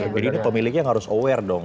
jadi ini pemiliknya harus aware dong